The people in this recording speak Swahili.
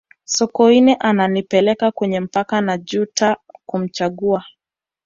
sokoine ananipeleka kweli mpaka najuta kumchagua